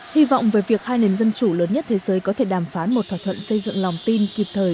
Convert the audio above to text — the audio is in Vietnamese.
hy vọng về việc hai nền dân chủ lớn nhất thế giới có thể đàm phán một thỏa thuận xây dựng lòng tin kịp thời